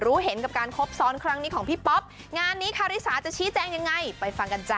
แล้วแบบว่าเหม็นหน้ากันอีกอะไรแบบนี้